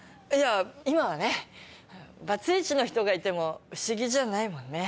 今はねバツイチの人がいても不思議じゃないもんね。